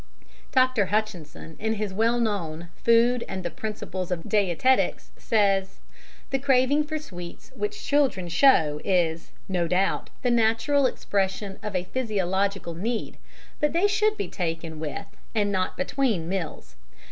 Dr. Hutchison, in his well known Food and the Principles of Dietetics, says: "The craving for sweets which children show is, no doubt, the natural expression of a physiological need, but they should be taken with, and not between, meals.